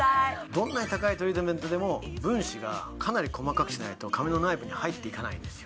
どんなに高いトリートメントでも分子がかなり細かくしないと髪の内部に入っていかないんですよ